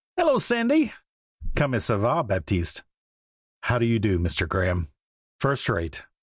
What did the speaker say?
Hello, Sandy! Comment ça va, Baptiste? How do you do, Mr. Graeme?" "First rate.